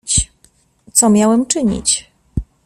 "Co miałem czynić?"